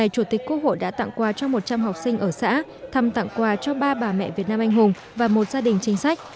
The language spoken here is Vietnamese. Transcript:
chủ tịch quốc hội đã tặng quà cho một trăm linh học sinh ở xã thăm tặng quà cho ba bà mẹ việt nam anh hùng và một gia đình chính sách